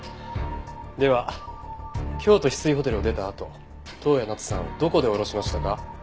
では京都ヒスイホテルを出たあと登矢奈津さんをどこで降ろしましたか？